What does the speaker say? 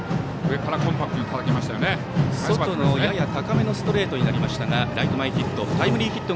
外の、やや高めのストレートになりましたがライト前ヒット。